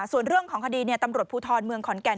ส่วนเรื่องของคดีตำรวจภูทรเมืองขอนแก่น